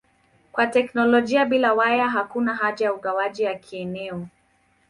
Kwa teknolojia bila waya hakuna haja ya ugawaji wa kieneo.